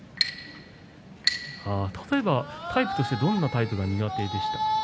例えばタイプとしてどういうタイプが苦手でしたか？